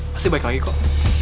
pasti balik lagi kok